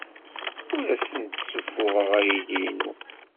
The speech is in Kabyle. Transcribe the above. Ur asent-d-ssuffuɣeɣ aydi-inu.